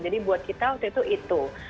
jadi buat kita waktu itu itu